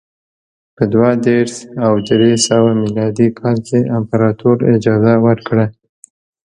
په دوه دېرش او درې سوه میلادي کال کې امپراتور اجازه ورکړه